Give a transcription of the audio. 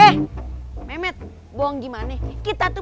hei jangan itu